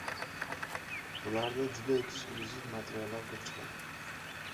Bularda juda eksklyuziv materiallar koʻp chiqadi.